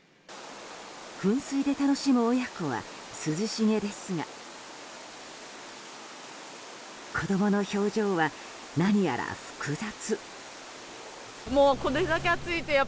噴水で楽しむ親子は涼しげですが子供の表情は何やら複雑。